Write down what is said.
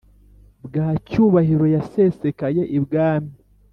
bwa cyubahiro yasesekaye ibwami.